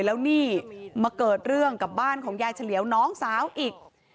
แล้วนี่มาเกิดเรื่องกับบ้านของยายเฉลียวน้องสาวอีก